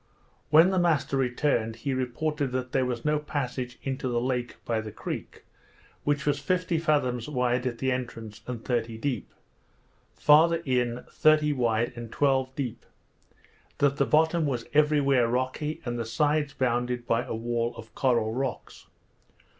When the master returned he reported that there was no passage into the lake by the creek, which was fifty fathoms wide at the entrance, and thirty deep; farther in, thirty wide, and twelve deep; that the bottom was every where rocky, and the sides bounded by a wall of coral rocks.